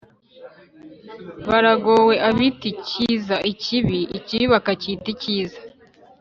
Baragowe! Abita icyiza ikibi, ikibi bakacyita icyiza.